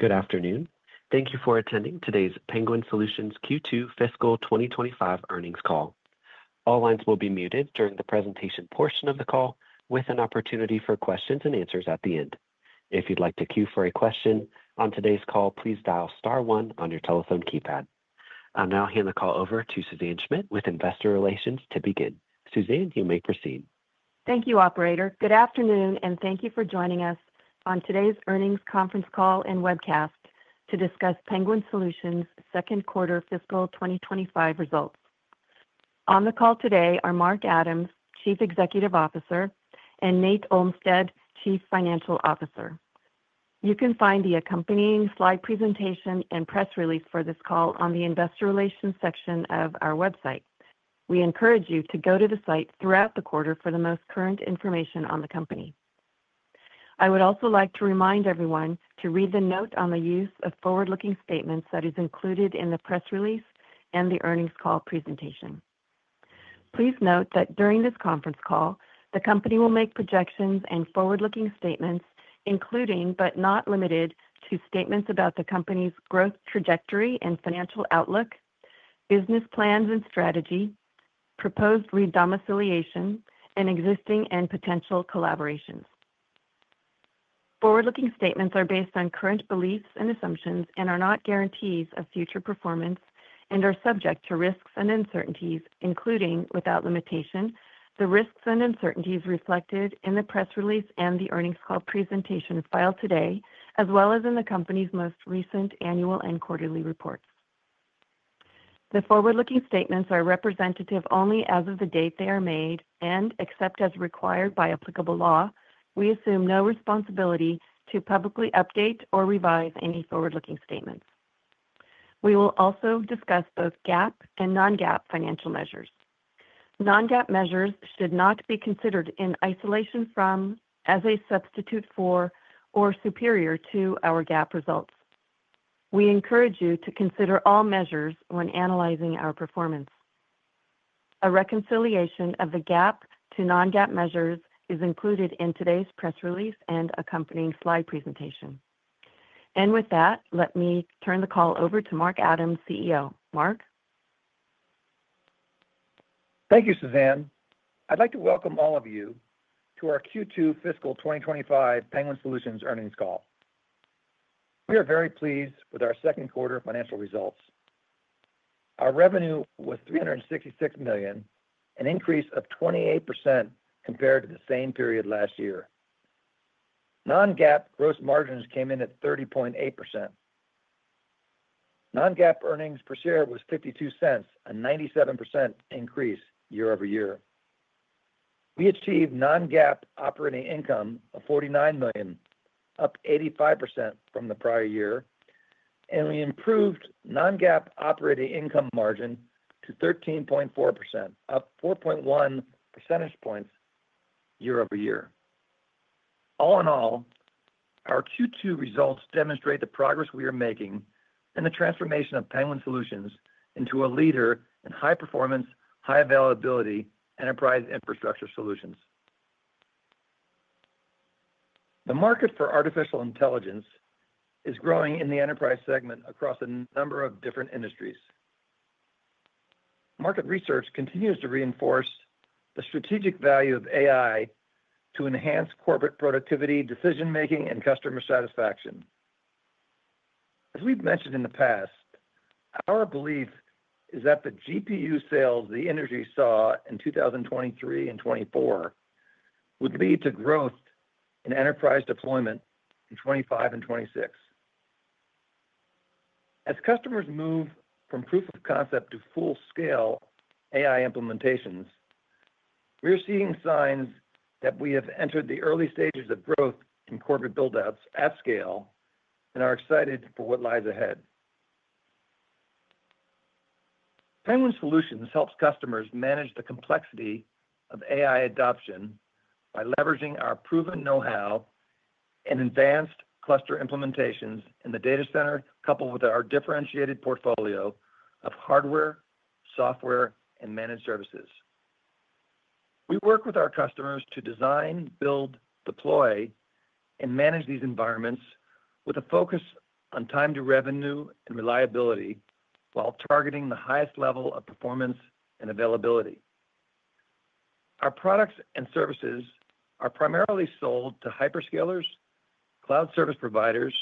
Good afternoon. Thank you for attending today's Penguin Solutions Q2 Fiscal 2025 earnings call. All lines will be muted during the presentation portion of the call, with an opportunity for questions and answers at the end. If you'd like to queue for a question on today's call, please dial star one on your telephone keypad. I'll now hand the call over to Suzanne Schmidt with Investor Relations to begin. Suzanne, you may proceed. Thank you, Operator. Good afternoon, and thank you for joining us on today's earnings conference call and webcast to discuss Penguin Solutions' second quarter fiscal 2025 results. On the call today are Mark Adams, Chief Executive Officer, and Nate Olmstead, Chief Financial Officer. You can find the accompanying slide presentation and press release for this call on the Investor Relations section of our website. We encourage you to go to the site throughout the quarter for the most current information on the company. I would also like to remind everyone to read the note on the use of forward-looking statements that is included in the press release and the earnings call presentation. Please note that during this conference call, the company will make projections and forward-looking statements, including but not limited to statements about the company's growth trajectory and financial outlook, business plans and strategy, proposed redomiciliation, and existing and potential collaborations. Forward-looking statements are based on current beliefs and assumptions and are not guarantees of future performance and are subject to risks and uncertainties, including without limitation, the risks and uncertainties reflected in the press release and the earnings call presentation filed today, as well as in the company's most recent annual and quarterly reports. The forward-looking statements are representative only as of the date they are made and, except as required by applicable law, we assume no responsibility to publicly update or revise any forward-looking statements. We will also discuss both GAAP and non-GAAP financial measures. Non-GAAP measures should not be considered in isolation from, as a substitute for, or superior to our GAAP results. We encourage you to consider all measures when analyzing our performance. A reconciliation of the GAAP to non-GAAP measures is included in today's press release and accompanying slide presentation. With that, let me turn the call over to Mark Adams, CEO. Mark. Thank you, Suzanne. I'd like to welcome all of you to our Q2 fiscal 2025 Penguin Solutions earnings call. We are very pleased with our second quarter financial results. Our revenue was $366 million, an increase of 28% compared to the same period last year. Non-GAAP gross margins came in at 30.8%. Non-GAAP earnings per share was $0.52, a 97% increase year-over-year. We achieved Non-GAAP operating income of $49 million, up 85% from the prior year, and we improved Non-GAAP operating income margin to 13.4%, up 4.1 percentage points year-over-year. All in all, our Q2 results demonstrate the progress we are making in the transformation of Penguin Solutions into a leader in high-performance, high-availability enterprise infrastructure solutions. The market for artificial intelligence is growing in the enterprise segment across a number of different industries. Market research continues to reinforce the strategic value of AI to enhance corporate productivity, decision-making, and customer satisfaction. As we've mentioned in the past, our belief is that the GPU sales the industry saw in 2023 and 2024 would lead to growth in enterprise deployment in 2025 and 2026. As customers move from proof of concept to full-scale AI implementations, we are seeing signs that we have entered the early stages of growth in corporate buildouts at scale and are excited for what lies ahead. Penguin Solutions helps customers manage the complexity of AI adoption by leveraging our proven know-how and advanced cluster implementations in the data center, coupled with our differentiated portfolio of hardware, software, and managed services. We work with our customers to design, build, deploy, and manage these environments with a focus on time to revenue and reliability while targeting the highest level of performance and availability. Our products and services are primarily sold to hyperscalers, cloud service providers,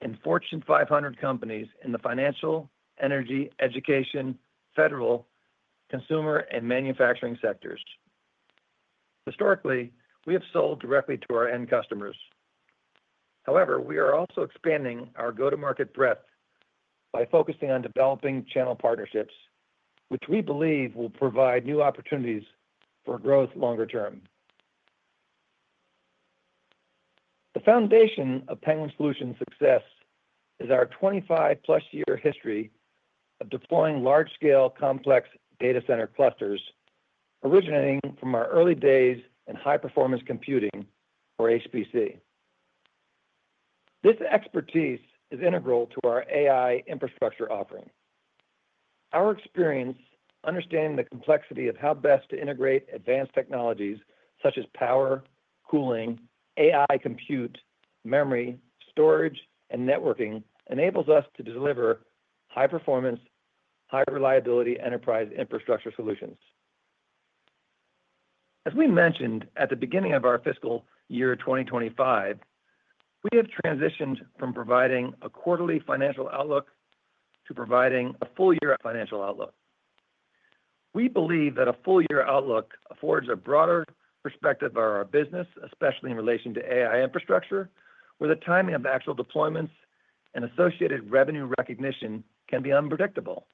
and Fortune 500 companies in the financial, energy, education, federal, consumer, and manufacturing sectors. Historically, we have sold directly to our end customers. However, we are also expanding our go-to-market breadth by focusing on developing channel partnerships, which we believe will provide new opportunities for growth longer term. The foundation of Penguin Solutions' success is our 25+ year history of deploying large-scale complex data center clusters, originating from our early days in high-performance computing, or HPC. This expertise is integral to our AI infrastructure offering. Our experience understanding the complexity of how best to integrate advanced technologies such as power, cooling, AI compute, memory, storage, and networking enables us to deliver high-performance, high-reliability enterprise infrastructure solutions. As we mentioned at the beginning of our fiscal year 2025, we have transitioned from providing a quarterly financial outlook to providing a full-year financial outlook. We believe that a full-year outlook affords a broader perspective of our business, especially in relation to AI infrastructure, where the timing of actual deployments and associated revenue recognition can be unpredictable,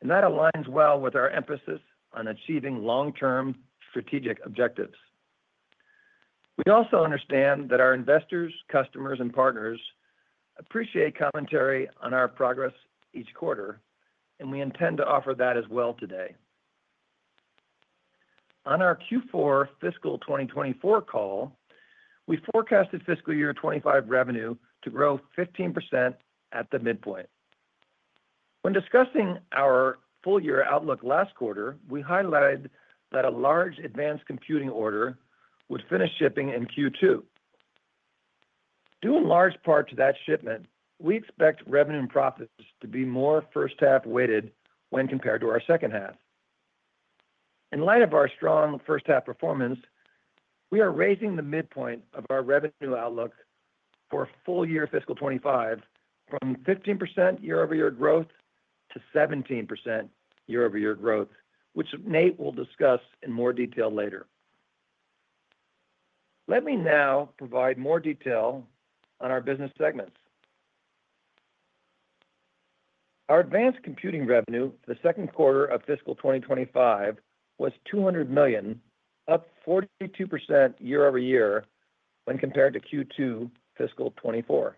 and that aligns well with our emphasis on achieving long-term strategic objectives. We also understand that our investors, customers, and partners appreciate commentary on our progress each quarter, and we intend to offer that as well today. On our Q4 fiscal 2024 call, we forecasted fiscal year 2025 revenue to grow 15% at the midpoint. When discussing our full-year outlook last quarter, we highlighted that a large advanced computing order would finish shipping in Q2. Due in large part to that shipment, we expect revenue and profits to be more first-half weighted when compared to our second half. In light of our strong first-half performance, we are raising the midpoint of our revenue outlook for full-year fiscal 2025 from 15% year-over-year growth to 17% year-over-year growth, which Nate will discuss in more detail later. Let me now provide more detail on our business segments. Our advanced computing revenue for the second quarter of fiscal 2025 was $200 million, up 42% year-over-year when compared to Q2 fiscal 2024,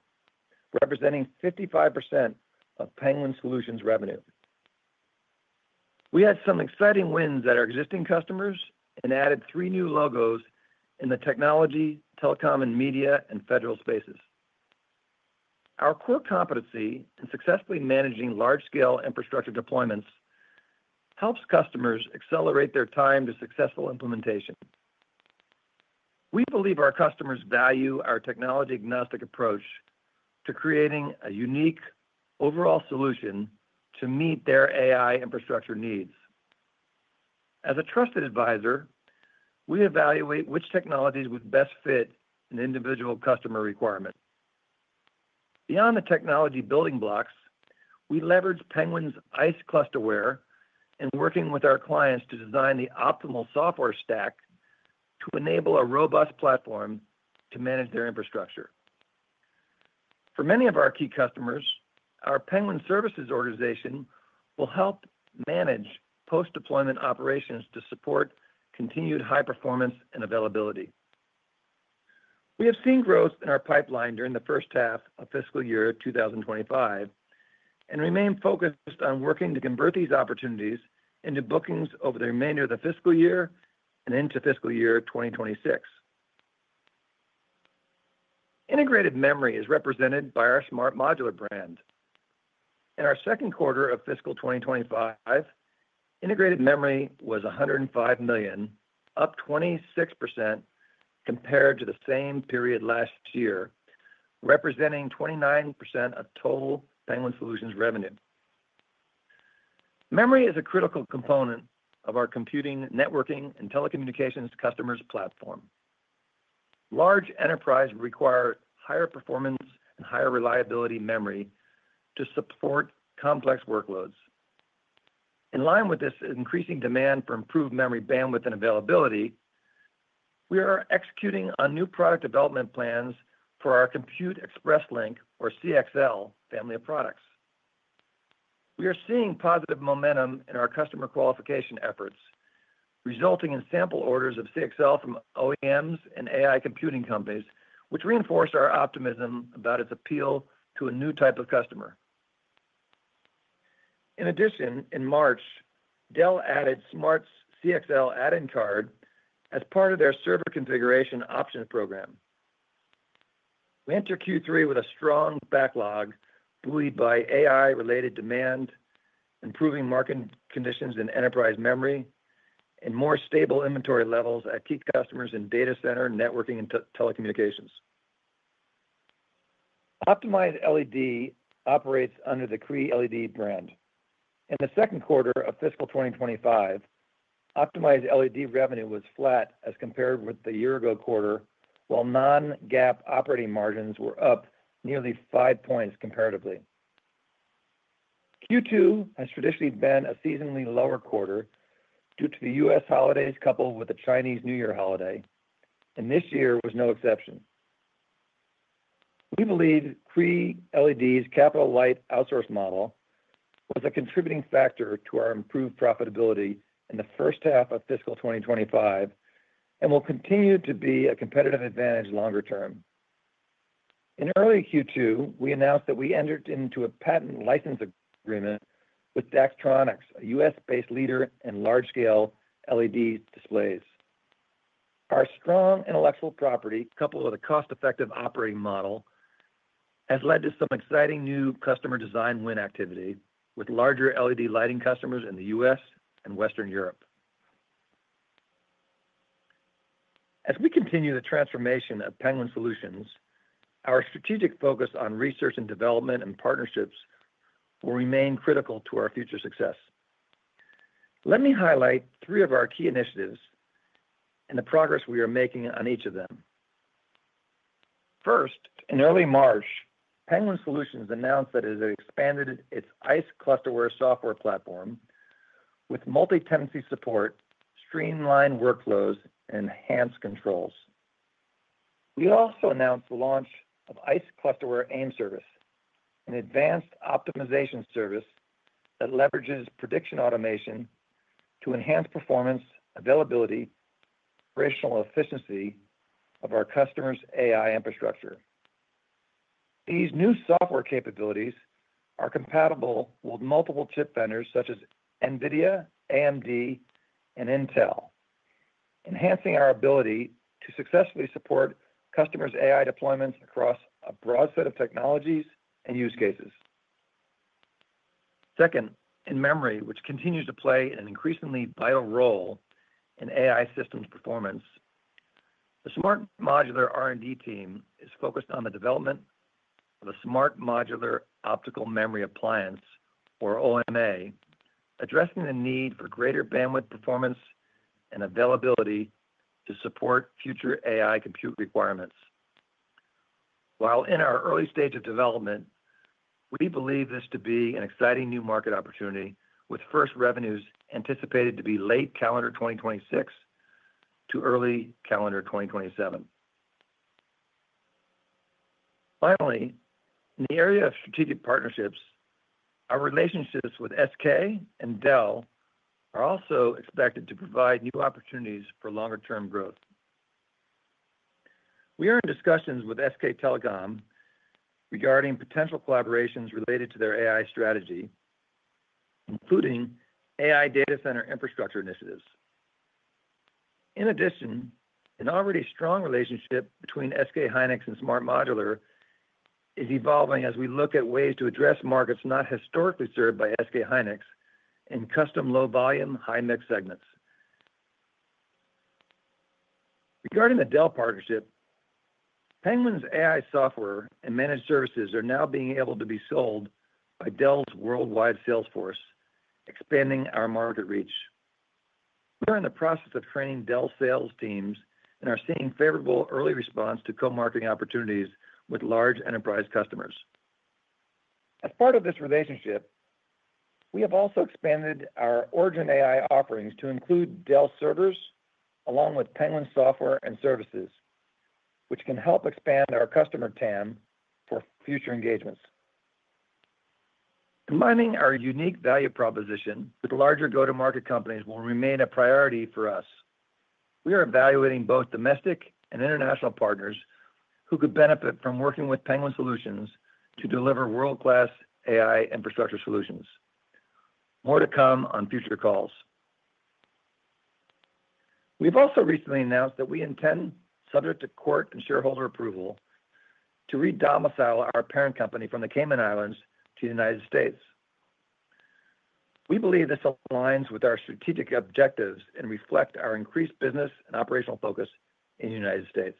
representing 55% of Penguin Solutions' revenue. We had some exciting wins at our existing customers and added three new logos in the technology, telecom, and media and federal spaces. Our core competency in successfully managing large-scale infrastructure deployments helps customers accelerate their time to successful implementation. We believe our customers value our technology-agnostic approach to creating a unique overall solution to meet their AI infrastructure needs. As a trusted advisor, we evaluate which technologies would best fit an individual customer requirement. Beyond the technology building blocks, we leverage Penguin's ICE ClusterWare in working with our clients to design the optimal software stack to enable a robust platform to manage their infrastructure. For many of our key customers, our Penguin Services Organization will help manage post-deployment operations to support continued high performance and availability. We have seen growth in our pipeline during the first half of fiscal year 2025 and remain focused on working to convert these opportunities into bookings over the remainder of the fiscal year and into fiscal year 2026. Integrated memory is represented by our SMART Modular brand. In our second quarter of fiscal 2025, integrated memory was $105 million, up 26% compared to the same period last year, representing 29% of total Penguin Solutions' revenue. Memory is a critical component of our computing, networking, and telecommunications customers' platform. Large enterprises require higher performance and higher reliability memory to support complex workloads. In line with this increasing demand for improved memory bandwidth and availability, we are executing on new product development plans for our Compute Express Link, or CXL, family of products. We are seeing positive momentum in our customer qualification efforts, resulting in sample orders of CXL from OEMs and AI computing companies, which reinforce our optimism about its appeal to a new type of customer. In addition, in March, Dell added SMART's CXL add-in card as part of their server configuration options program. We enter Q3 with a strong backlog buoyed by AI-related demand, improving market conditions in enterprise memory, and more stable inventory levels at key customers in data center, networking, and telecommunications. Optimized LED operates under the Cree LED brand. In the second quarter of fiscal 2025, Optimized LED revenue was flat as compared with the year-ago quarter, while non-GAAP operating margins were up nearly five points comparatively. Q2 has traditionally been a seasonally lower quarter due to the U.S. holidays coupled with the Chinese New Year holiday, and this year was no exception. We believe Cree LED's capital-light outsource model was a contributing factor to our improved profitability in the first half of fiscal 2025 and will continue to be a competitive advantage longer term. In early Q2, we announced that we entered into a patent license agreement with Daktronics, a U.S.-based leader in large-scale LED displays. Our strong intellectual property, coupled with a cost-effective operating model, has led to some exciting new customer design win activity with larger LED lighting customers in the U.S. and Western Europe. As we continue the transformation of Penguin Solutions, our strategic focus on research and development and partnerships will remain critical to our future success. Let me highlight three of our key initiatives and the progress we are making on each of them. First, in early March, Penguin Solutions announced that it has expanded its ICE ClusterWare software platform with multi-tenancy support, streamlined workflows, and enhanced controls. We also announced the launch of ICE ClusterWare AIM service, an advanced optimization service that leverages prediction automation to enhance performance, availability, and operational efficiency of our customers' AI infrastructure. These new software capabilities are compatible with multiple chip vendors such as NVIDIA, AMD, and Intel, enhancing our ability to successfully support customers' AI deployments across a broad set of technologies and use cases. Second, in memory, which continues to play an increasingly vital role in AI systems performance, the SMART Modular R&D team is focused on the development of a SMART Modular Optical Memory Appliance, or OMA, addressing the need for greater bandwidth performance and availability to support future AI compute requirements. While in our early stage of development, we believe this to be an exciting new market opportunity with first revenues anticipated to be late calendar 2026 to early calendar 2027. Finally, in the area of strategic partnerships, our relationships with SK and Dell are also expected to provide new opportunities for longer-term growth. We are in discussions with SK Telecom regarding potential collaborations related to their AI strategy, including AI data center infrastructure initiatives. In addition, an already strong relationship between SK Hynix and SMART Modular is evolving as we look at ways to address markets not historically served by SK Hynix in custom low-volume Hynix segments. Regarding the Dell partnership, Penguin's AI software and managed services are now being able to be sold by Dell's worldwide sales force, expanding our market reach. We are in the process of training Dell sales teams and are seeing favorable early response to co-marketing opportunities with large enterprise customers. As part of this relationship, we have also expanded our Origin AI offerings to include Dell servers along with Penguin software and services, which can help expand our customer TAM for future engagements. Combining our unique value proposition with larger go-to-market companies will remain a priority for us. We are evaluating both domestic and international partners who could benefit from working with Penguin Solutions to deliver world-class AI infrastructure solutions. More to come on future calls. We have also recently announced that we intend, subject to court and shareholder approval, to redomicile our parent company from the Cayman Islands to the United States. We believe this aligns with our strategic objectives and reflects our increased business and operational focus in the United States.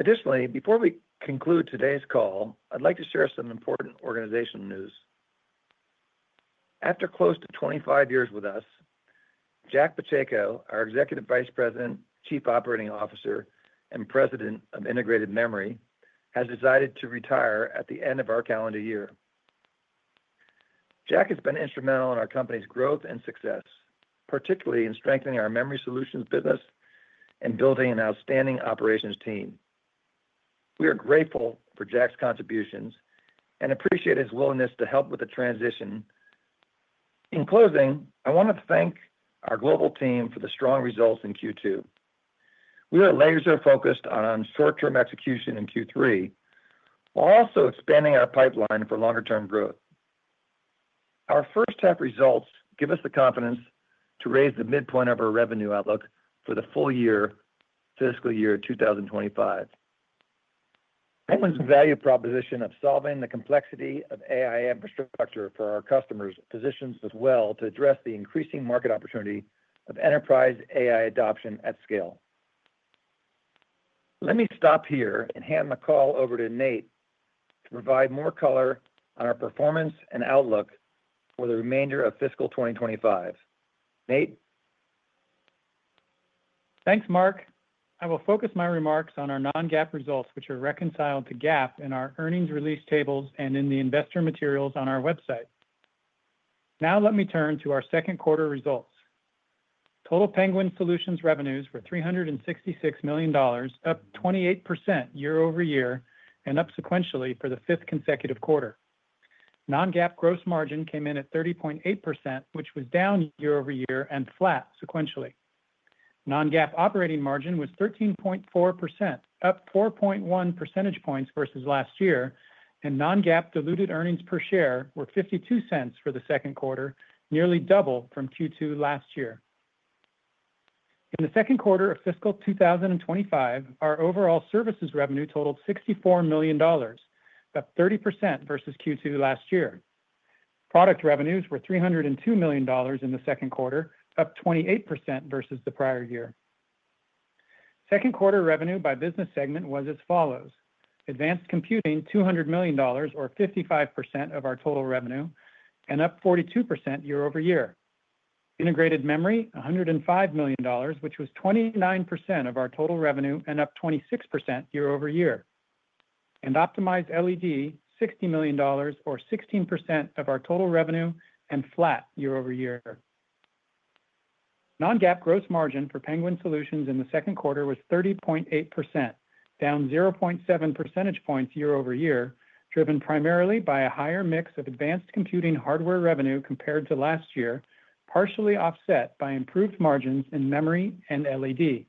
Additionally, before we conclude today's call, I would like to share some important organizational news. After close to 25 years with us, Jack Pacheco, our Executive Vice President, Chief Operating Officer, and President of Integrated Memory, has decided to retire at the end of our calendar year. Jack has been instrumental in our company's growth and success, particularly in strengthening our memory solutions business and building an outstanding operations team. We are grateful for Jack's contributions and appreciate his willingness to help with the transition. In closing, I want to thank our global team for the strong results in Q2. We are laser-focused on short-term execution in Q3, while also expanding our pipeline for longer-term growth. Our first-half results give us the confidence to raise the midpoint of our revenue outlook for the full year, fiscal year 2025. Penguin's value proposition of solving the complexity of AI infrastructure for our customers positions us well to address the increasing market opportunity of enterprise AI adoption at scale. Let me stop here and hand the call over to Nate to provide more color on our performance and outlook for the remainder of fiscal 2025. Nate. Thanks, Mark. I will focus my remarks on our non-GAAP results, which are reconciled to GAAP in our earnings release tables and in the investor materials on our website. Now let me turn to our second quarter results. Total Penguin Solutions revenues were $366 million, up 28% year-over-year and up sequentially for the fifth consecutive quarter. Non-GAAP gross margin came in at 30.8%, which was down year-over-year and flat sequentially. Non-GAAP operating margin was 13.4%, up 4.1 percentage points versus last year, and non-GAAP diluted earnings per share were $0.52 for the second quarter, nearly double from Q2 last year. In the second quarter of fiscal 2025, our overall services revenue totaled $64 million, up 30% versus Q2 last year. Product revenues were $302 million in the second quarter, up 28% versus the prior year. Second quarter revenue by business segment was as follows: advanced computing, $200 million, or 55% of our total revenue, and up 42% year-over-year. Integrated memory, $105 million, which was 29% of our total revenue and up 26% year-over-year. Optimized LED, $60 million, or 16% of our total revenue and flat year-over-year. Non-GAAP gross margin for Penguin Solutions in the second quarter was 30.8%, down 0.7 percentage points year-over-year, driven primarily by a higher mix of advanced computing hardware revenue compared to last year, partially offset by improved margins in memory and LED.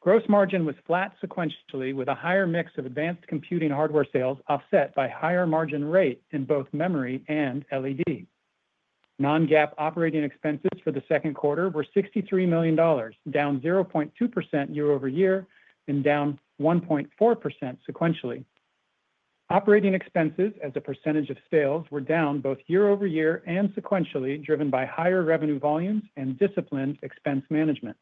Gross margin was flat sequentially with a higher mix of advanced computing hardware sales offset by higher margin rate in both memory and LED. Non-GAAP operating expenses for the second quarter were $63 million, down 0.2% year-over-year and down 1.4% sequentially. Operating expenses, as a percentage of sales, were down both year-over-year and sequentially, driven by higher revenue volumes and disciplined expense management.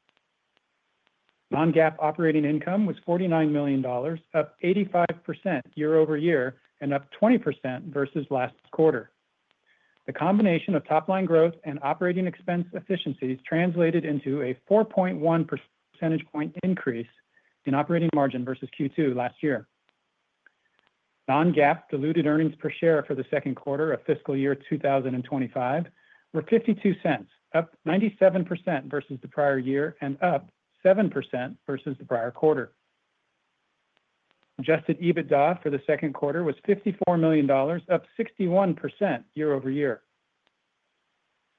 Non-GAAP operating income was $49 million, up 85% year-over-year and up 20% versus last quarter. The combination of top-line growth and operating expense efficiencies translated into a 4.1 percentage point increase in operating margin versus Q2 last year. Non-GAAP diluted earnings per share for the second quarter of fiscal year 2025 were $0.52, up 97% versus the prior year and up 7% versus the prior quarter. Adjusted EBITDA for the second quarter was $54 million, up 61% year-over-year.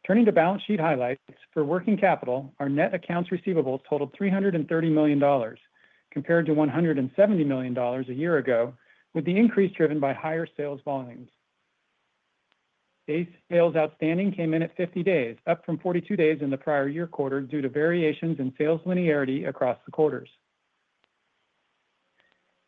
Turning to balance sheet highlights, for working capital, our net accounts receivables totaled $330 million, compared to $170 million a year ago, with the increase driven by higher sales volumes. Sales outstanding came in at 50 days, up from 42 days in the prior year quarter due to variations in sales linearity across the quarters.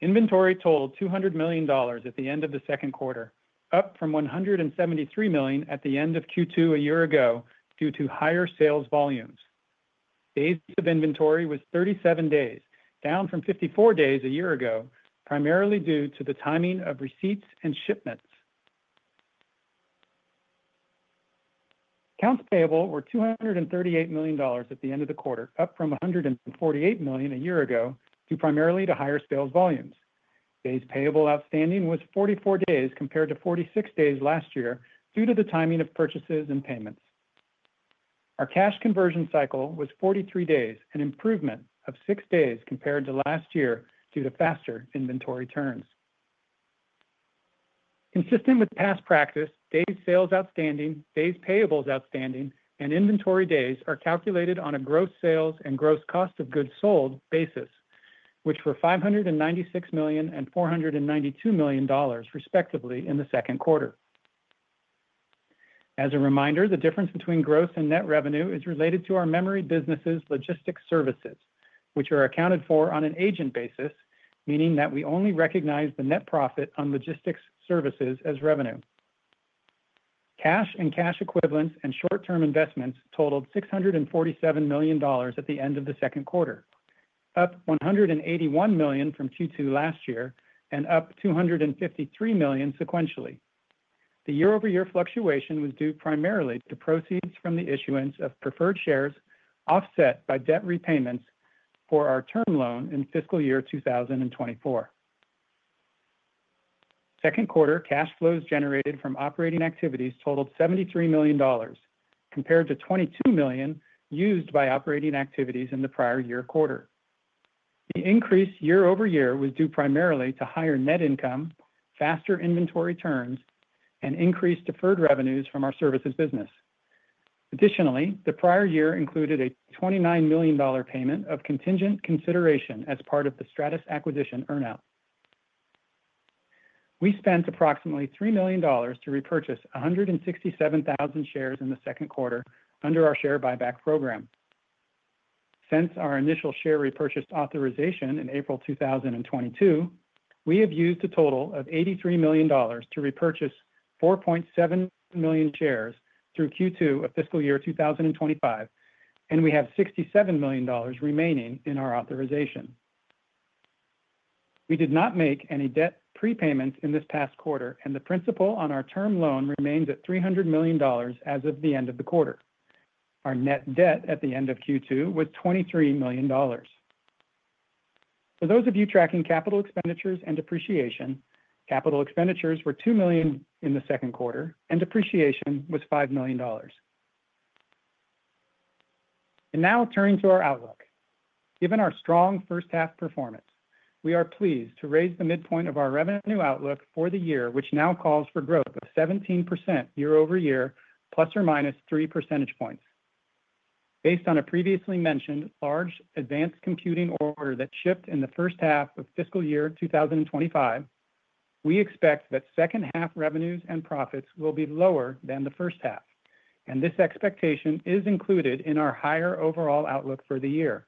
Inventory totaled $200 million at the end of the second quarter, up from $173 million at the end of Q2 a year ago due to higher sales volumes. Days of inventory was 37 days, down from 54 days a year ago, primarily due to the timing of receipts and shipments. Accounts payable were $238 million at the end of the quarter, up from $148 million a year ago due primarily to higher sales volumes. Days payable outstanding was 44 days compared to 46 days last year due to the timing of purchases and payments. Our cash conversion cycle was 43 days, an improvement of six days compared to last year due to faster inventory turns. Consistent with past practice, days sales outstanding, days payables outstanding, and inventory days are calculated on a gross sales and gross cost of goods sold basis, which were $596 million and $492 million, respectively, in the second quarter. As a reminder, the difference between gross and net revenue is related to our memory business's logistics services, which are accounted for on an agent basis, meaning that we only recognize the net profit on logistics services as revenue. Cash and cash equivalents and short-term investments totaled $647 million at the end of the second quarter, up $181 million from Q2 last year and up $253 million sequentially. The year-over-year fluctuation was due primarily to proceeds from the issuance of preferred shares offset by debt repayments for our term loan in fiscal year 2024. Second quarter, cash flows generated from operating activities totaled $73 million, compared to $22 million used by operating activities in the prior year quarter. The increase year-over-year was due primarily to higher net income, faster inventory turns, and increased deferred revenues from our services business. Additionally, the prior year included a $29 million payment of contingent consideration as part of the Stratus acquisition earn-out. We spent approximately $3 million to repurchase 167,000 shares in the second quarter under our share buyback program. Since our initial share repurchase authorization in April 2022, we have used a total of $83 million to repurchase 4.7 million shares through Q2 of fiscal year 2025, and we have $67 million remaining in our authorization. We did not make any debt prepayments in this past quarter, and the principal on our term loan remains at $300 million as of the end of the quarter. Our net debt at the end of Q2 was $23 million. For those of you tracking capital expenditures and depreciation, capital expenditures were $2 million in the second quarter, and depreciation was $5 million. Now turning to our outlook. Given our strong first-half performance, we are pleased to raise the midpoint of our revenue outlook for the year, which now calls for growth of 17% year-over-year, plus or minus three percentage points. Based on a previously mentioned large advanced computing order that shipped in the first half of fiscal year 2025, we expect that second-half revenues and profits will be lower than the first half, and this expectation is included in our higher overall outlook for the year.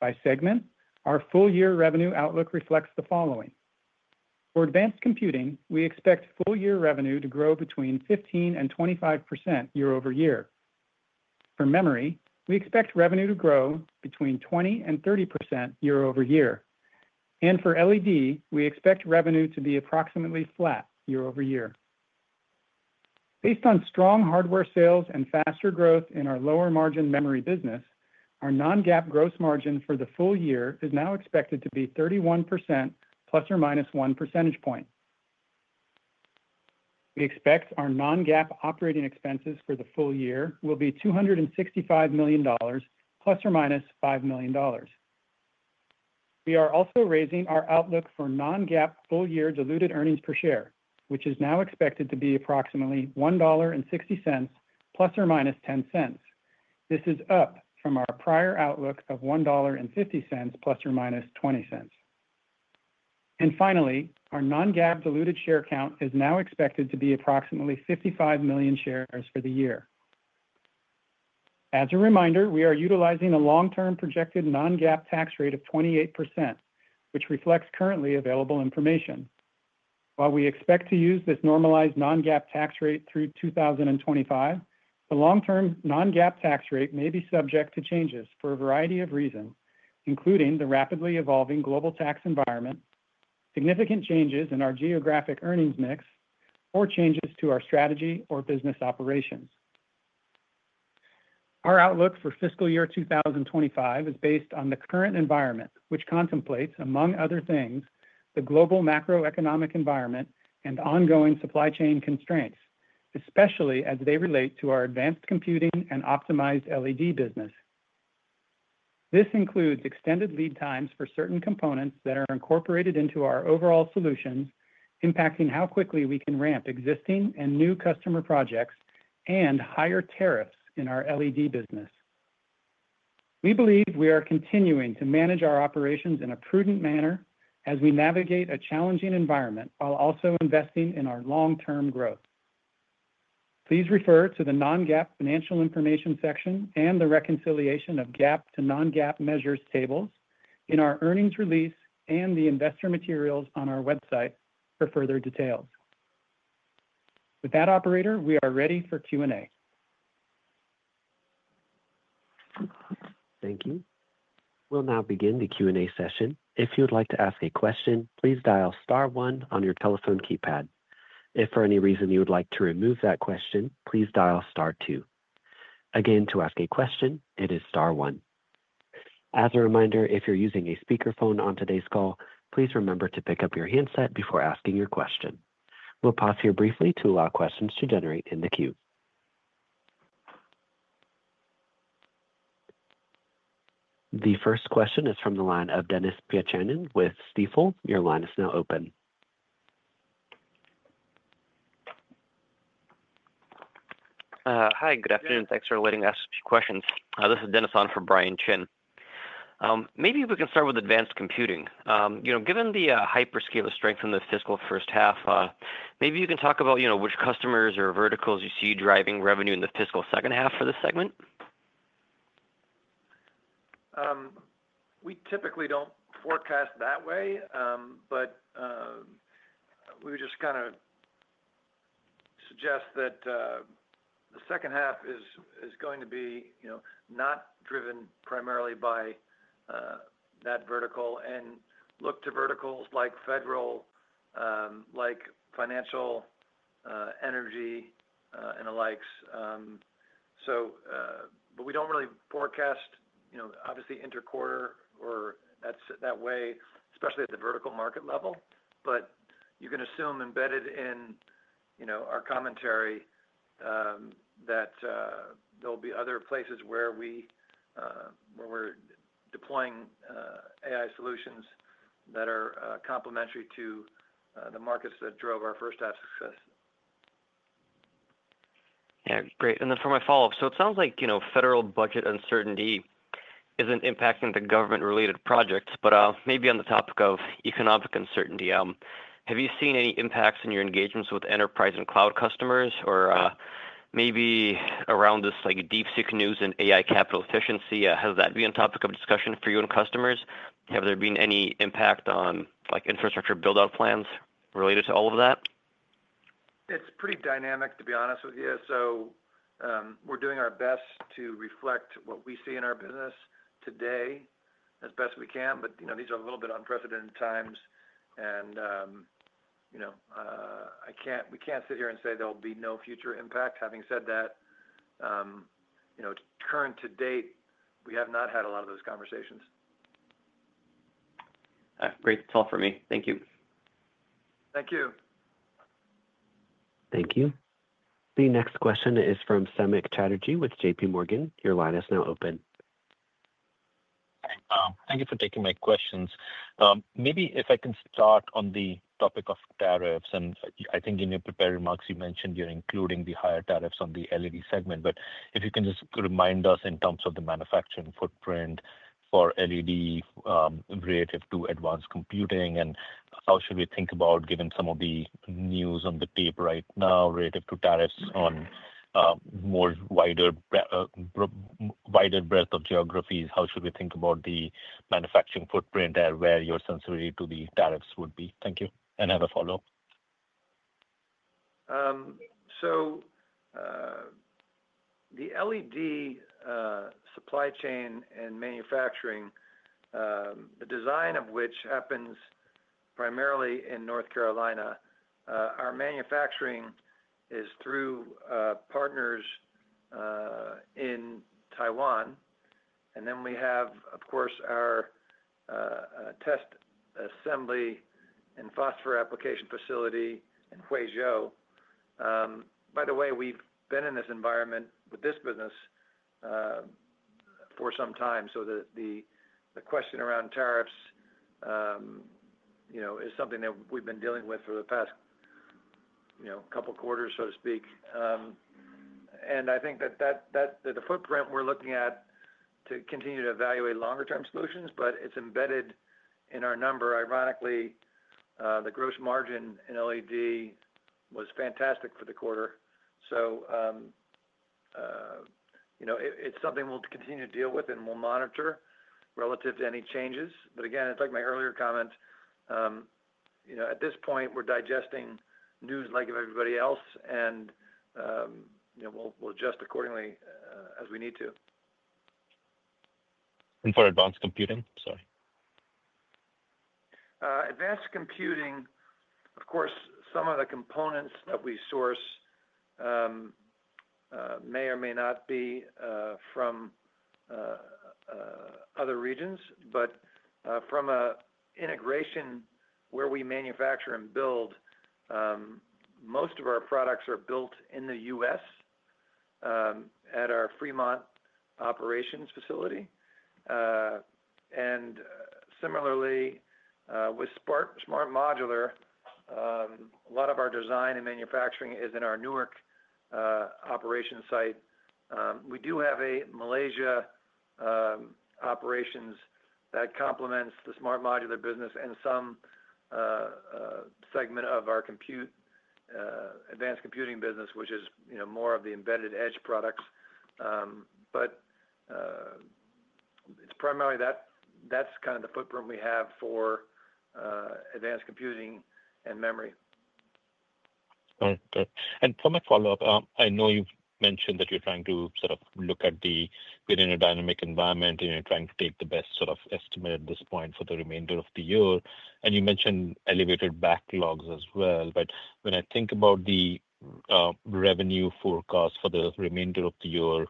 By segment, our full-year revenue outlook reflects the following. For advanced computing, we expect full-year revenue to grow between 15% and 25% year-over-year. For memory, we expect revenue to grow between 20% and 30% year-over-year. For LED, we expect revenue to be approximately flat year-over-year. Based on strong hardware sales and faster growth in our lower-margin memory business, our non-GAAP gross margin for the full year is now expected to be 31% plus or minus one percentage point. We expect our non-GAAP operating expenses for the full year will be $265 million, plus or minus $5 million. We are also raising our outlook for non-GAAP full-year diluted earnings per share, which is now expected to be approximately $1.60 plus or minus $0.10. This is up from our prior outlook of $1.50 plus or minus $0.20. Finally, our non-GAAP diluted share count is now expected to be approximately 55 million shares for the year. As a reminder, we are utilizing a long-term projected non-GAAP tax rate of 28%, which reflects currently available information. While we expect to use this normalized non-GAAP tax rate through 2025, the long-term non-GAAP tax rate may be subject to changes for a variety of reasons, including the rapidly evolving global tax environment, significant changes in our geographic earnings mix, or changes to our strategy or business operations. Our outlook for fiscal year 2025 is based on the current environment, which contemplates, among other things, the global macroeconomic environment and ongoing supply chain constraints, especially as they relate to our advanced computing and optimized LED business. This includes extended lead times for certain components that are incorporated into our overall solutions, impacting how quickly we can ramp existing and new customer projects and higher tariffs in our LED business. We believe we are continuing to manage our operations in a prudent manner as we navigate a challenging environment while also investing in our long-term growth. Please refer to the non-GAAP financial information section and the reconciliation of GAAP to non-GAAP measures tables in our earnings release and the investor materials on our website for further details. With that, Operator, we are ready for Q&A. Thank you. We'll now begin the Q&A session. If you'd like to ask a question, please dial star one on your telephone keypad. If for any reason you would like to remove that question, please dial star two. Again, to ask a question, it is star one. As a reminder, if you're using a speakerphone on today's call, please remember to pick up your handset before asking your question. We'll pause here briefly to allow questions to generate in the queue. The first question is from the line of Denis Pyatchanin with Stifel. Your line is now open. Hi, good afternoon. Thanks for letting us ask a few questions. This is Dennis on for Brian Chin. Maybe we can start with advanced computing. Given the hyperscale strength in the fiscal first half, maybe you can talk about which customers or verticals you see driving revenue in the fiscal second half for this segment? We typically do not forecast that way, but we would just kind of suggest that the second half is going to be not driven primarily by that vertical and look to verticals like federal, like financial, energy, and the likes. We do not really forecast, obviously, interquarter or that way, especially at the vertical market level. You can assume embedded in our commentary that there will be other places where we are deploying AI solutions that are complementary to the markets that drove our first-half success. Yeah, great. For my follow-up, it sounds like federal budget uncertainty is not impacting the government-related projects, but maybe on the topic of economic uncertainty, have you seen any impacts in your engagements with enterprise and cloud customers or maybe around this DeepSeek news and AI capital efficiency? Has that been a topic of discussion for you and customers? Have there been any impact on infrastructure build-out plans related to all of that? It is pretty dynamic, to be honest with you. We are doing our best to reflect what we see in our business today as best we can, but these are a little bit unprecedented times, and we cannot sit here and say there will be no future impact. Having said that, current to date, we have not had a lot of those conversations. Great. It's all for me. Thank you. Thank you. Thank you. The next question is from Samik Chatterjee with JPMorgan. Your line is now open. Thank you for taking my questions. Maybe if I can start on the topic of tariffs. I think in your prepared remarks, you mentioned you're including the higher tariffs on the LED segment, but if you can just remind us in terms of the manufacturing footprint for LED relative to advanced computing, and how should we think about, given some of the news on the tape right now, relative to tariffs on wider breadth of geographies? How should we think about the manufacturing footprint and where your sensitivity to the tariffs would be? Thank you. I have a follow-up. The LED supply chain and manufacturing, the design of which happens primarily in North Carolina, our manufacturing is through partners in Taiwan. We have, of course, our test assembly and phosphor application facility in Huizhou. By the way, we have been in this environment with this business for some time, so the question around tariffs is something that we have been dealing with for the past couple of quarters, so to speak. I think that the footprint we are looking at to continue to evaluate longer-term solutions, but it is embedded in our number. Ironically, the gross margin in LED was fantastic for the quarter. It is something we will continue to deal with and we will monitor relative to any changes. Again, it is like my earlier comment. At this point, we are digesting news like everybody else, and we will adjust accordingly as we need to. For advanced computing, sorry. Advanced computing, of course, some of the components that we source may or may not be from other regions, but from an integration where we manufacture and build, most of our products are built in the U.S. at our Fremont operations facility. Similarly, with SMART Modular, a lot of our design and manufacturing is in our Newark operation site. We do have a Malaysia operations that complements the SMART Modular business and some segment of our advanced computing business, which is more of the embedded edge products. It is primarily, that is kind of the footprint we have for advanced computing and memory. For my follow-up, I know you have mentioned that you are trying to sort of look at the dynamic environment, and you are trying to take the best sort of estimate at this point for the remainder of the year. You mentioned elevated backlogs as well. When I think about the revenue forecast for the remainder of the year,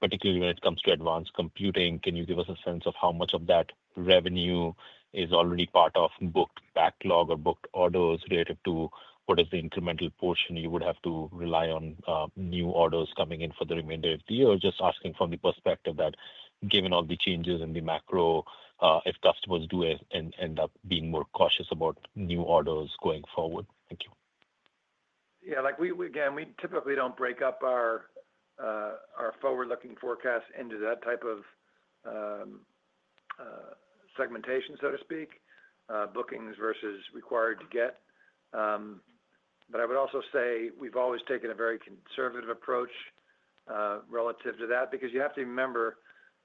particularly when it comes to advanced computing, can you give us a sense of how much of that revenue is already part of booked backlog or booked orders relative to what is the incremental portion you would have to rely on new orders coming in for the remainder of the year? Just asking from the perspective that, given all the changes in the macro, if customers do end up being more cautious about new orders going forward. Thank you. Yeah. Again, we typically do not break up our forward-looking forecast into that type of segmentation, so to speak, bookings versus required to get. I would also say we've always taken a very conservative approach relative to that because you have to remember,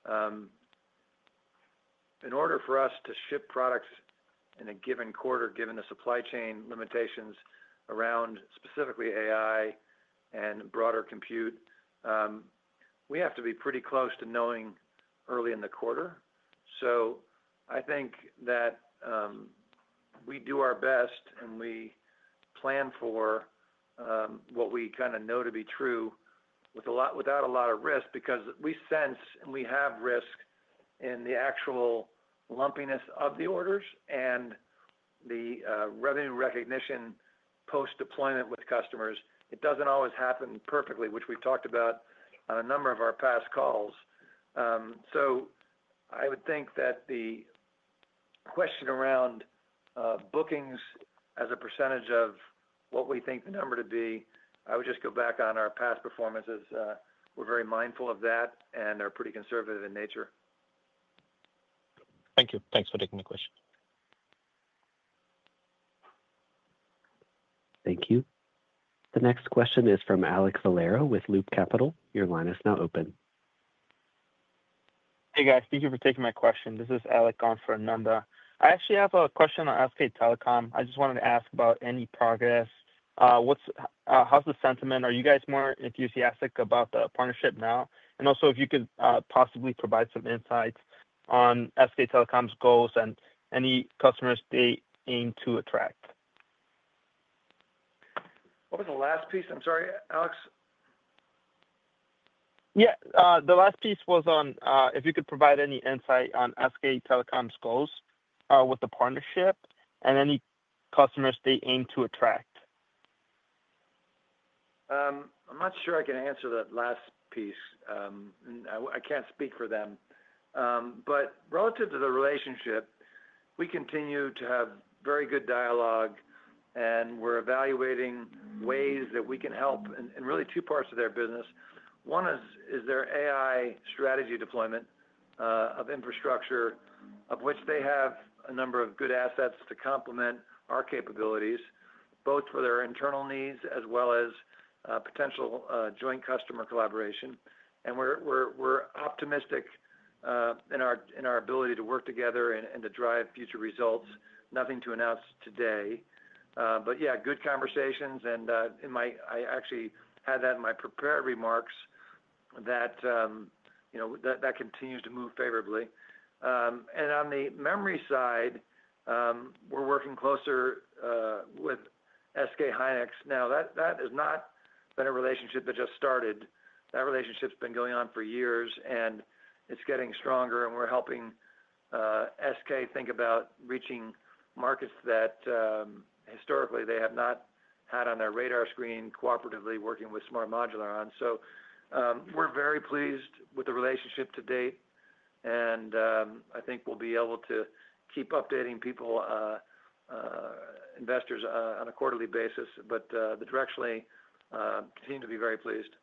in order for us to ship products in a given quarter, given the supply chain limitations around specifically AI and broader compute, we have to be pretty close to knowing early in the quarter. I think that we do our best, and we plan for what we kind of know to be true without a lot of risk because we sense and we have risk in the actual lumpiness of the orders and the revenue recognition post-deployment with customers. It doesn't always happen perfectly, which we've talked about on a number of our past calls. I would think that the question around bookings as a percentage of what we think the number to be, I would just go back on our past performances. We're very mindful of that, and they're pretty conservative in nature. Thank you. Thanks for taking the question. Thank you. The next question is from Alek Valero with Loop Capital. Your line is now open. Hey, guys. Thank you for taking my question. This is Alex on for Ananda. I actually have a question on SK Telecom. I just wanted to ask about any progress. How's the sentiment? Are you guys more enthusiastic about the partnership now? Also, if you could possibly provide some insights on SK Telecom's goals and any customers they aim to attract. What was the last piece? I'm sorry, Alex. Yeah. The last piece was on if you could provide any insight on SK Telecom's goals with the partnership and any customers they aim to attract. I'm not sure I can answer that last piece. I can't speak for them. Relative to the relationship, we continue to have very good dialogue, and we're evaluating ways that we can help in really two parts of their business. One is their AI strategy deployment of infrastructure, of which they have a number of good assets to complement our capabilities, both for their internal needs as well as potential joint customer collaboration. We're optimistic in our ability to work together and to drive future results, nothing to announce today. Yeah, good conversations. I actually had that in my prepared remarks that that continues to move favorably. On the memory side, we're working closer with SK Hynix. That has not been a relationship that just started. That relationship's been going on for years, and it's getting stronger, and we're helping SK think about reaching markets that historically they have not had on their radar screen cooperatively working with SMART Modular on. We are very pleased with the relationship to date, and I think we'll be able to keep updating investors on a quarterly basis, but directionally seem to be very pleased.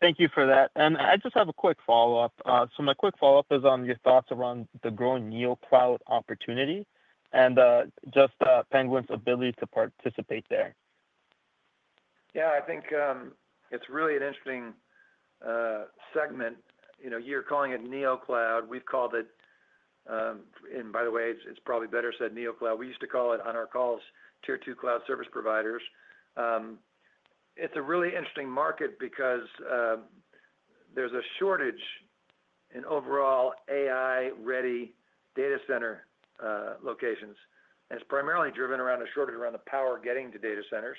Thank you for that. I just have a quick follow-up. My quick follow-up is on your thoughts around the growing NeoCloud opportunity and just Penguin's ability to participate there. Yeah. I think it's really an interesting segment. You're calling it NeoCloud. We've called it, and by the way, it's probably better said NeoCloud. We used to call it on our calls tier two cloud service providers. It's a really interesting market because there's a shortage in overall AI-ready data center locations. It is primarily driven around a shortage around the power getting to data centers.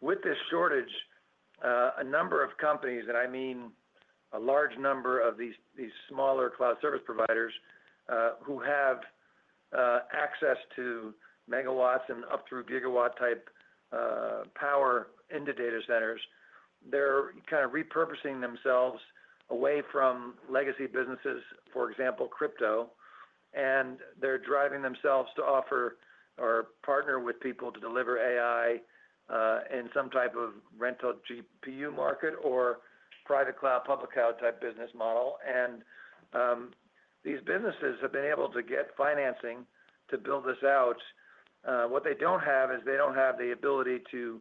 With this shortage, a number of companies, and I mean a large number of these smaller cloud service providers who have access to megawatts and up through gigawatt-type power into data centers, are kind of repurposing themselves away from legacy businesses, for example, crypto. They are driving themselves to offer or partner with people to deliver AI in some type of rental GPU market or private cloud, public cloud type business model. These businesses have been able to get financing to build this out. What they do not have is they do not have the ability to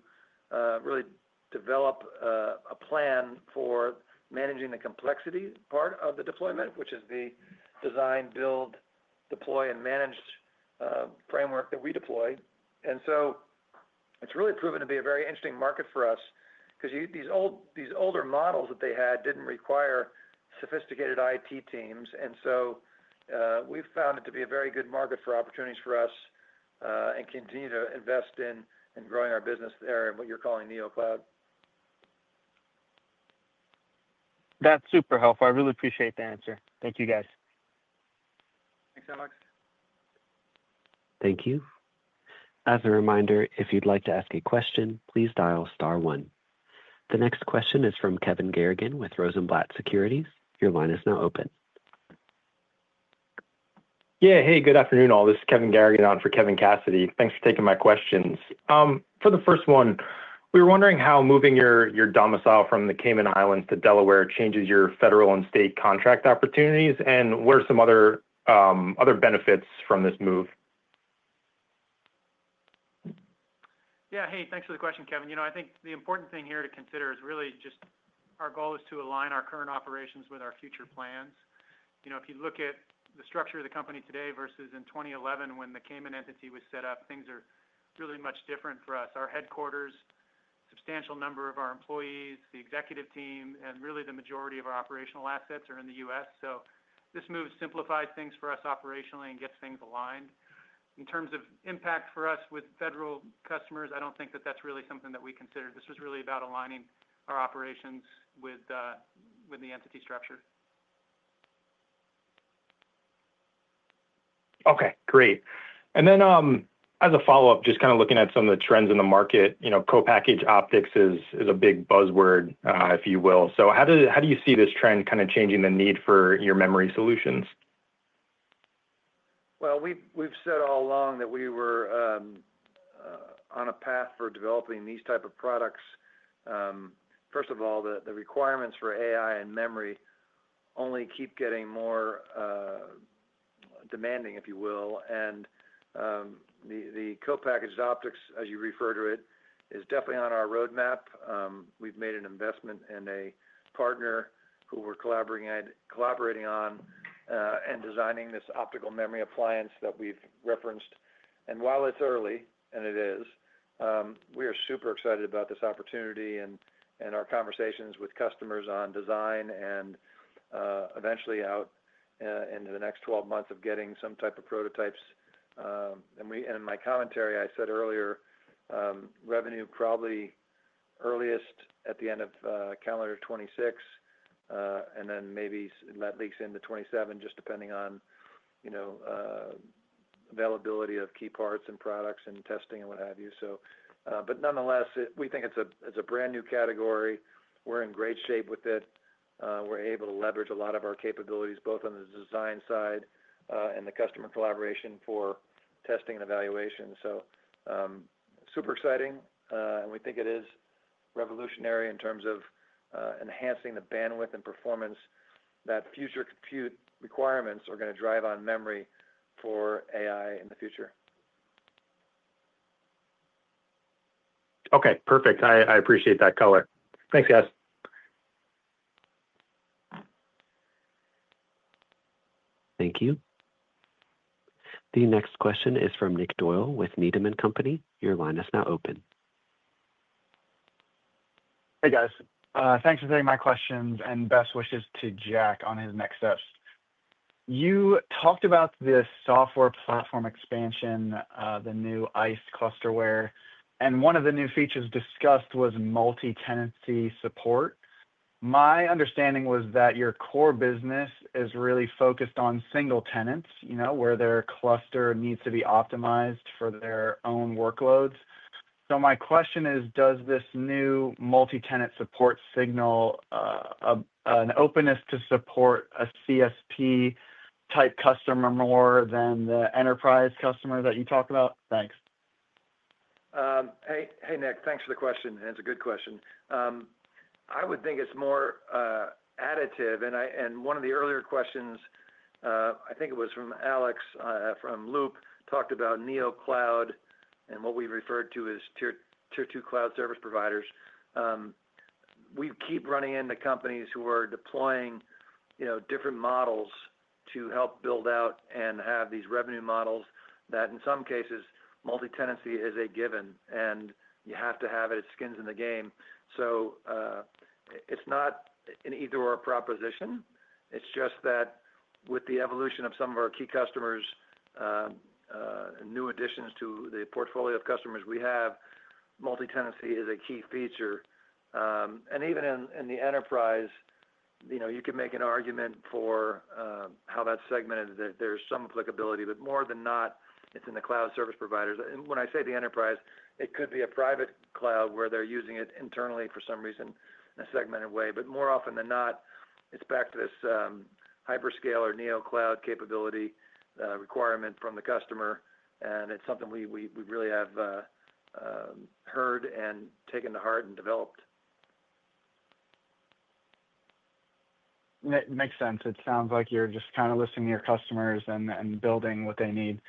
really develop a plan for managing the complexity part of the deployment, which is the design, build, deploy, and manage framework that we deploy. It's really proven to be a very interesting market for us because these older models that they had didn't require sophisticated IT teams. We've found it to be a very good market for opportunities for us and continue to invest in growing our business there and what you're calling NeoCloud. That's super helpful. I really appreciate the answer. Thank you, guys. Thanks, Alek. Thank you. As a reminder, if you'd like to ask a question, please dial star one. The next question is from Kevin Garrigan with Rosenblatt Securities. Your line is now open. Yeah. Hey, good afternoon, all. This is Kevin Garrigan on for Kevin Cassidy. Thanks for taking my questions. For the first one, we were wondering how moving your domicile from the Cayman Islands to Delaware changes your federal and state contract opportunities, and what are some other benefits from this move? Yeah. Hey, thanks for the question, Kevin. I think the important thing here to consider is really just our goal is to align our current operations with our future plans. If you look at the structure of the company today versus in 2011 when the Cayman entity was set up, things are really much different for us. Our headquarters, substantial number of our employees, the executive team, and really the majority of our operational assets are in the U.S. This move simplifies things for us operationally and gets things aligned. In terms of impact for us with federal customers, I do not think that that is really something that we consider. This was really about aligning our operations with the entity structure. Okay. Great. As a follow-up, just kind of looking at some of the trends in the market, co-packaged optics is a big buzzword, if you will. How do you see this trend kind of changing the need for your memory solutions? We've said all along that we were on a path for developing these type of products. First of all, the requirements for AI and memory only keep getting more demanding, if you will. The co-packaged optics, as you refer to it, is definitely on our roadmap. We've made an investment in a partner who we're collaborating on and designing this optical memory appliance that we've referenced. While it's early, and it is, we are super excited about this opportunity and our conversations with customers on design and eventually out into the next 12 months of getting some type of prototypes. In my commentary, I said earlier, revenue probably earliest at the end of calendar 2026, and then maybe that leaks into 2027, just depending on availability of key parts and products and testing and what have you. Nonetheless, we think it's a brand new category. We're in great shape with it. We're able to leverage a lot of our capabilities, both on the design side and the customer collaboration for testing and evaluation. Super exciting, and we think it is revolutionary in terms of enhancing the bandwidth and performance that future compute requirements are going to drive on memory for AI in the future. Okay. Perfect. I appreciate that, Mark. Thanks, guys. Thank you. The next question is from Nick Doyle with Needham & Company. Your line is now open. Hey, guys. Thanks for taking my questions and best wishes to Jack on his next steps. You talked about the software platform expansion, the new ICE ClusterWare, and one of the new features discussed was multi-tenancy support. My understanding was that your core business is really focused on single tenants where their cluster needs to be optimized for their own workloads. My question is, does this new multi-tenant support signal an openness to support a CSP type customer more than the enterprise customer that you talked about? Thanks. Hey, Nick, thanks for the question. It is a good question. I would think it is more additive. One of the earlier questions, I think it was from Alex from Loop, talked about NeoCloud and what we referred to as Tier 2 cloud service providers. We keep running into companies who are deploying different models to help build out and have these revenue models that in some cases, multi-tenancy is a given, and you have to have it. It is skins in the game. It is not an either or proposition. It is just that with the evolution of some of our key customers and new additions to the portfolio of customers we have, multi-tenancy is a key feature. Even in the enterprise, you could make an argument for how that is segmented that there is some applicability. More than not, it is in the cloud service providers. When I say the enterprise, it could be a private cloud where they are using it internally for some reason in a segmented way. More often than not, it is back to this hyperscale or NeoCloud capability requirement from the customer. It is something we really have heard and taken to heart and developed. Makes sense. It sounds like you're just kind of listening to your customers and building what they need.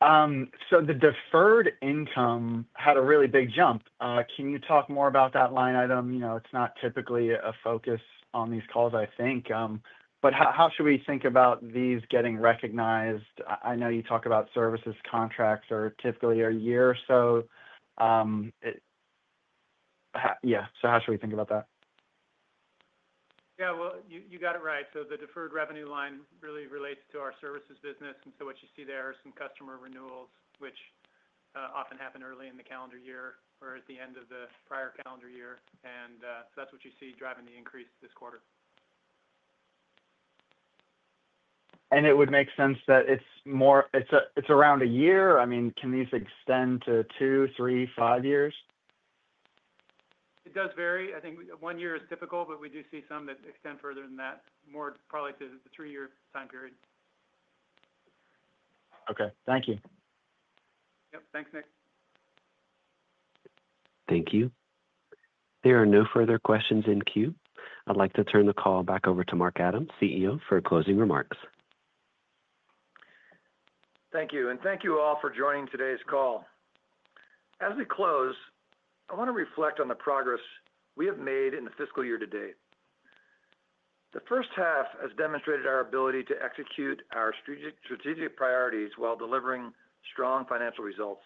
The deferred income had a really big jump. Can you talk more about that line item? It is not typically a focus on these calls, I think. How should we think about these getting recognized? I know you talk about services contracts are typically a year or so. Yeah. How should we think about that? Yeah. You got it right. The deferred revenue line really relates to our services business. What you see there are some customer renewals, which often happen early in the calendar year or at the end of the prior calendar year. That is what you see driving the increase this quarter. It would make sense that it's around a year. I mean, can these extend to two, three, five years? It does vary. I think one year is typical, but we do see some that extend further than that, more probably to the three-year time period. Okay. Thank you. Yep. Thanks, Nick. Thank you. There are no further questions in queue. I'd like to turn the call back over to Mark Adams, CEO, for closing remarks. Thank you. Thank you all for joining today's call. As we close, I want to reflect on the progress we have made in the fiscal year to date. The first half has demonstrated our ability to execute our strategic priorities while delivering strong financial results.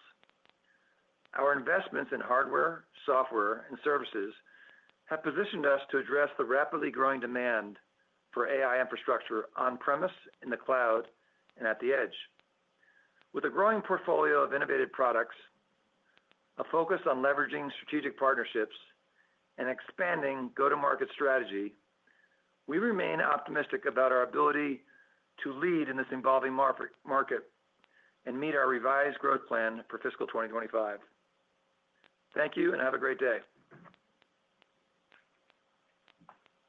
Our investments in hardware, software, and services have positioned us to address the rapidly growing demand for AI infrastructure on-premise, in the cloud, and at the edge. With a growing portfolio of innovative products, a focus on leveraging strategic partnerships, and expanding go-to-market strategy, we remain optimistic about our ability to lead in this evolving market and meet our revised growth plan for fiscal 2025. Thank you, and have a great day.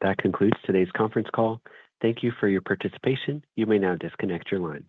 That concludes today's conference call. Thank you for your participation. You may now disconnect your lines.